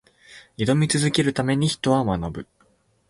挑み続けるために、人は学ぶ。